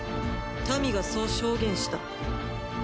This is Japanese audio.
民がそう証言した。